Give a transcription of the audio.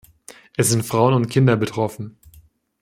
Es sind Frauen und Kinder betroffen.